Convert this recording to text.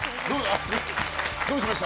どうしました？